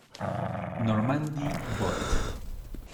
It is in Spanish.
Normandie, Bot.